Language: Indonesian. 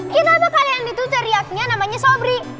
kenapa kalian itu teriaknya namanya sobri